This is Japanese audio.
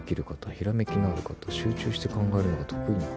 「ひらめきのある方」「集中して考えるのが得意な方」